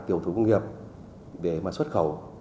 tiểu thủ công nghiệp để mà xuất khẩu